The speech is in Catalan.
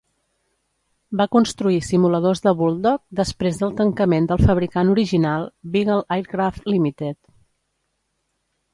Va construir simuladors de Bulldog després del tancament del fabricant original, Beagle Aircraft Limited.